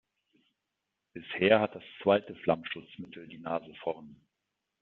Bisher hat das zweite Flammschutzmittel die Nase vorn.